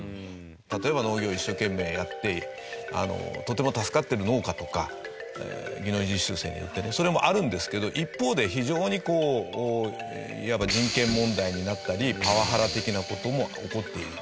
例えば農業を一生懸命やってとても助かっている農家とか技能実習生によってね。それもあるんですけど一方で非常にこういわば人権問題になったりパワハラ的な事も起こっている。